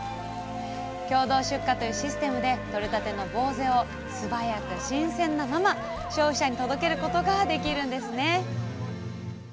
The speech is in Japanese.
共同出荷というシステムでとれたてのぼうぜを素早く新鮮なまま消費者に届けることができるんですね！